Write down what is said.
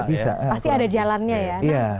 pasti ada jalannya ya